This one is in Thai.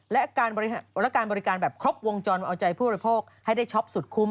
และการบริการแบบครบวงจรเอาใจผู้บริโภคให้ได้ช็อปสุดคุ้ม